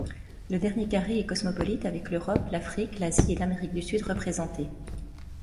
Le dernier carré est cosmopolite avec l'Europe, l'Afrique, l'Asie et l'Amérique du Sud représentés.